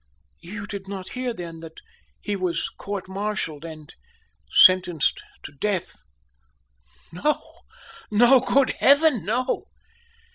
"Yon did not hear, then, that he was court martialed, and sentenced to death!" "No, no good heaven, no!"